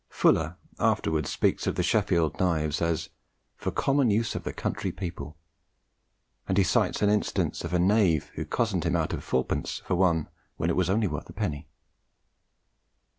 Fuller afterwards speaks of the Sheffield knives as "for common use of the country people," and he cites an instance of a knave who cozened him out of fourpence for one when it was only worth a penny.